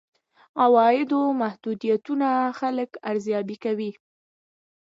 عوایدو محدودیتونه خلک ارزيابي کوي.